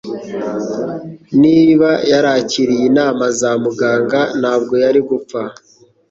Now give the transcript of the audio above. Niba yarakiriye inama za muganga, ntabwo yari gupfa.